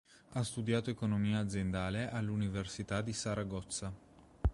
Ha studiato economia aziendale all'Università di Saragozza.